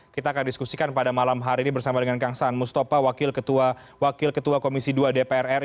kita akan diskusikan pada malam hari ini bersama dengan kang saan mustafa wakil ketua komisi dua dpr ri